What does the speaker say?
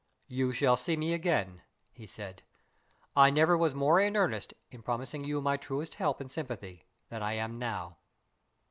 "You shall see me again," he said. "I never was more in earnest in promising you my truest help and sympathy than I am now."